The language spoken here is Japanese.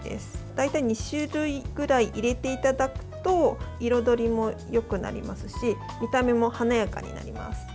大体２種類ぐらい入れていただくと彩りもよくなりますし見た目も華やかになります。